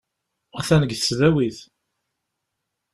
Atan deg tesdawit.